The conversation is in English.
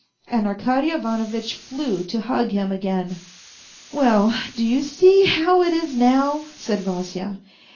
" And Arkady Ivanovitch flew to hug him again. " Well, do you see, how it is now ?" said Vasya.